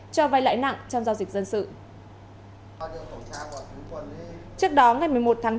cho vay lãi nặng trong giao dịch dân sự